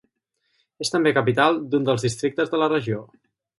És també capital d'un dels districtes de la regió.